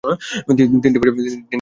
তিনটি বাচ্চা, টাকা তিনগুণ।